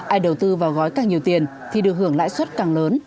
ai đầu tư vào gói càng nhiều tiền thì được hưởng lãi suất càng lớn